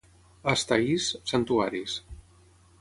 A Estaís, santuaris.